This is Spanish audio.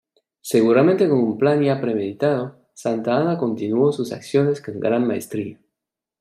Seguramente con un plan ya premeditado, Santa Anna continuó sus acciones con gran maestría.